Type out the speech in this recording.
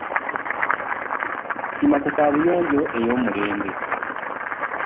Sima ku kaabuyonjo ey'omulembe.